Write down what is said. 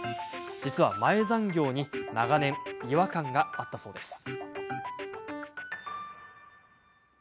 実は前残業に長年、違和感があったそうです。